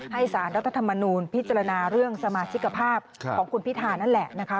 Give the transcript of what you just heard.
สารรัฐธรรมนูลพิจารณาเรื่องสมาชิกภาพของคุณพิธานั่นแหละนะคะ